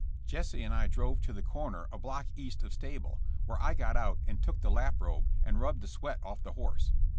Jesse and I drove to the corner of block east of stable, where I got out and took the laprobe and rubbed the sweat off the horse.